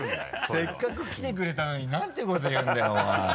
せっかく来てくれたのに何てこと言うんだよお前。